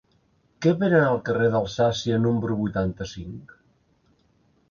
Què venen al carrer d'Alsàcia número vuitanta-cinc?